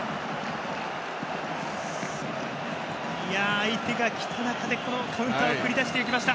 相手がきた中でこのカウンターを繰り出してきました。